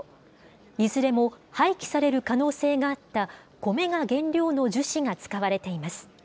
いずれも廃棄される可能性があったコメが原料の樹脂が使われています。